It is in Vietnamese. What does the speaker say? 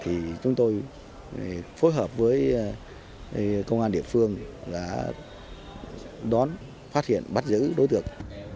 thì chúng tôi phối hợp với công an địa phương đã đón phát hiện bắt giữ đối tượng